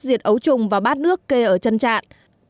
duyệt ấu trùng và bát nước kê ở chân trạn